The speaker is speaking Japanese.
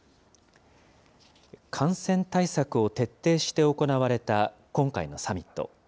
感染対策を徹底して行われた今回のサミット。